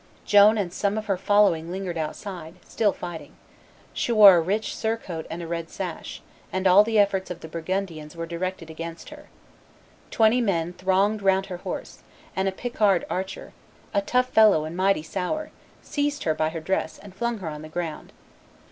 Joan and some of her following lingered outside, still fighting. She wore a rich surcoat and a red sash, and all the efforts of the Burgundians were directed against her. Twenty men thronged round her horse; and a Picard archer, "a tough fellow and mighty sour," seized her by her dress, and flung her on the ground.